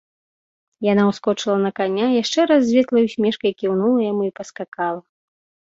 Яна ўскочыла на каня, яшчэ раз з ветлай усмешкай кіўнула яму і паскакала.